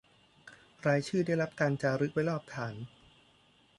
รายชื่อได้รับการจารึกไว้รอบฐาน